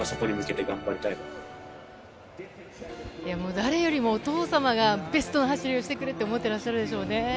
誰よりもお父様がベストの走りをしてくれって思ってらっしゃるでしょうね。